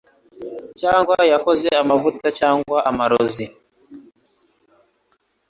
cyangwa yakoze amavuta cyangwa amarozi